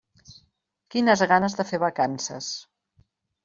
Quines ganes de fer vacances.